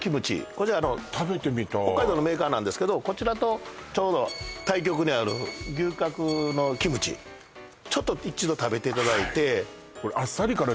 こちら食べてみたい北海道のメーカーなんですけどこちらとちょうど対極にある牛角のキムチちょっと一度食べていただいてそうですね